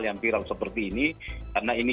yang viral seperti ini karena ini